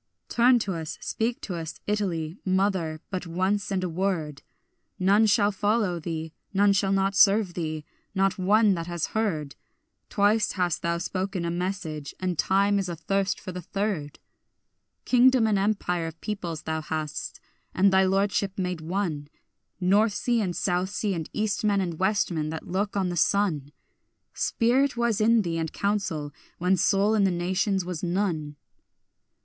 Turn to us, speak to us, Italy, mother, but once and a word, None shall not follow thee, none shall not serve thee, not one that has heard; Twice hast thou spoken a message, and time is athirst for the third. Kingdom and empire of peoples thou hadst, and thy lordship made one North sea and south sea and east men and west men that look on the sun; Spirit was in thee and counsel, when soul in the nations was none.